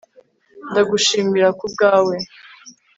Ndagushimira kubwawe